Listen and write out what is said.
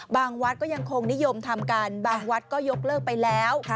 วัดก็ยังคงนิยมทำกันบางวัดก็ยกเลิกไปแล้ว